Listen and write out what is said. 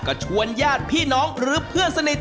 ก็ชวนญาติพี่น้องหรือเพื่อนสนิท